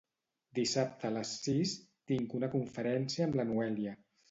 Dissabte a les sis tinc una conferència amb la Noèlia.